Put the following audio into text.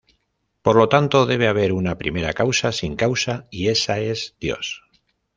Por lo tanto, debe haber una primera causa sin causa, y esa es Dios.